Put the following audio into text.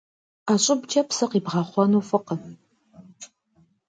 Ӏэ щӏыбкӏэ псы къибгъэхъуэну фӏыкъым.